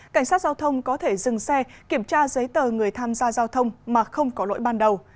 cảnh sát giao thông có thể dừng xe kiểm tra giấy tờ người tham gia giao thông mà không có lỗi ban đầu